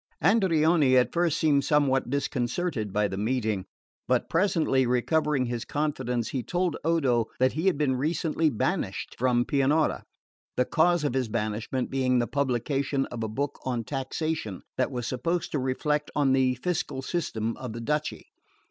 Andreoni at first seemed somewhat disconcerted by the meeting; but presently recovering his confidence, he told Odo that he had been recently banished from Pianura, the cause of his banishment being the publication of a book on taxation that was supposed to reflect on the fiscal system of the duchy.